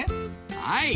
はい！